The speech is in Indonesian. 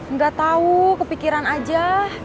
nggak tahu kepikiran aja